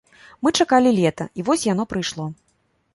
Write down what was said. Мы чакалі лета і вось яно прыйшло.